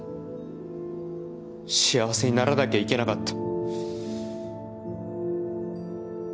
幸せにならなきゃいけなかった。